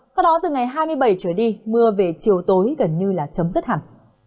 sau đó từ ngày hai mươi bảy trở đi mưa về chiều tối gần như là chấm dứt hẳn